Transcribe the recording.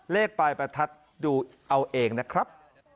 เลขปลายประทัดดูเอาเองนะครับ